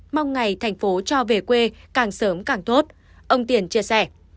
mong ngày thành phố cho về quê càng sớm càng tốt ông tiền chia sẻ